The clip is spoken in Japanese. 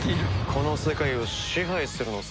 この世界を支配するのさ。